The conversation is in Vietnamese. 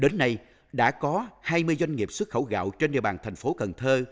đến nay đã có hai mươi doanh nghiệp xuất khẩu gạo trên địa bàn thành phố cần thơ